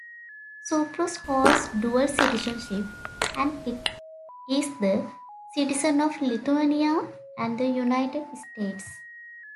Zubrus holds dual citizenship and is the citizen of Lithuania and the United States.